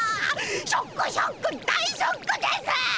ショックショック大ショックです！